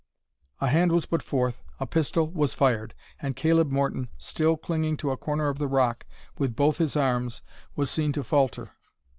A hand was put forth, a pistol was fired, and Caleb Morton still clinging to a corner of the rock with both his arms was seen to falter.